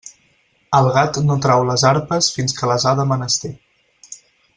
El gat no trau les arpes fins que les ha de menester.